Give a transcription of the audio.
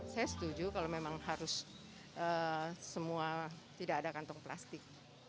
saya setuju kalau memang harus semua tidak ada kantong plastik